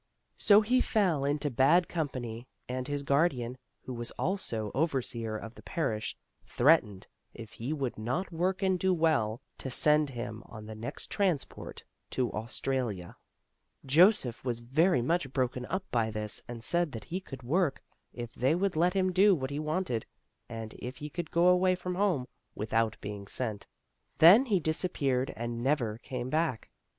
So he fell into bad com pany, and his guardian, who was also overseer of the parish, threatened, if he would not work and do well, to send him on the next transport to Australia. 21 22 THE ROSE CHILD Joseph was very much broken up by this and said that he could work, if they would let him do what he wanted, and if he could go away from home without being sent. Then he disappeared and never came back.